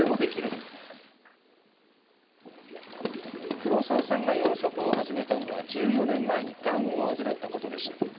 黒澤さんが養殖を始めたのは１４年前にがんを患ったことでした。